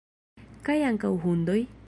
Kaj ankaŭ hundoj?